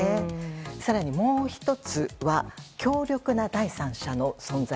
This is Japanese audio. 更にもう１つは強力な第三者の存在。